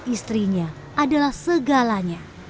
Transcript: istrinya adalah segalanya